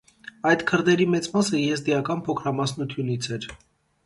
Այդ քրդերի մեծ մասը եզդիական փոքրամասնությունից էր։